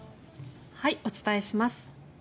お伝えします。